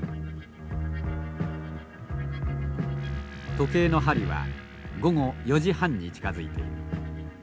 時計の針は午後４時半に近づいている。